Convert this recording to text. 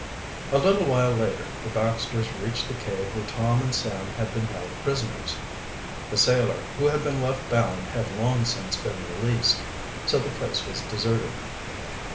A little while later the Baxters reached the cave where Tom and Sam had been held prisoners. The sailor who had been left bound had long since been released, so the place was deserted.